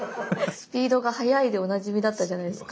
スピードが速いでおなじみだったじゃないですか。